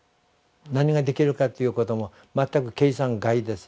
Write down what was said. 何ができるかということも全く計算外です。